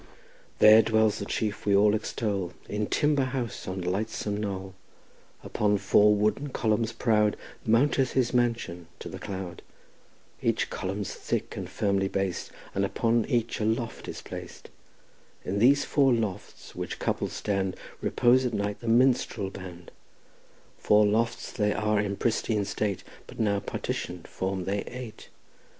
There dwells the chief we all extol In timber house on lightsome knoll; Upon four wooden columns proud Mounteth his mansion to the cloud; Each column's thick and firmly bas'd, And upon each a loft is plac'd; In these four lofts, which coupled stand, Repose at night the minstrel band; Four lofts they were in pristine state, But now partitioned form they eight.